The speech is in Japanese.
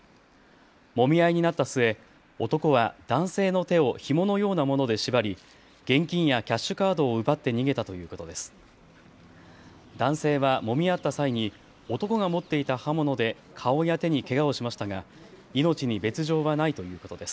もみ合いになった末、男は男性の手をひものようなもので縛り現金やキャッシュカードを奪って逃げたということです。